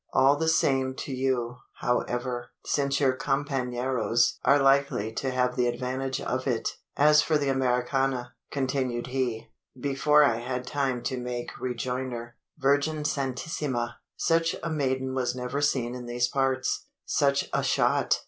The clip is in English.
All the same to you, however: since your companeros are likely to have the advantage of it. As for the Americana," continued he, before I had time to make rejoinder, "Virgen santissima! such a maiden was never seen in these parts. Such a shot!